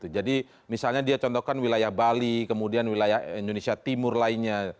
jadi misalnya dia contohkan wilayah bali kemudian wilayah indonesia timur lainnya